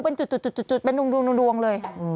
เป็นจุดเป็นดวงเลย